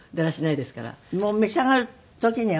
もう召し上がる時にはなんにも。